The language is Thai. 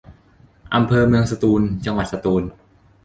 อำเภอเมืองสตูล จังหวัดสตูล